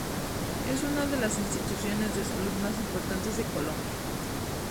Es una de las instituciones de salud más importantes de Colombia.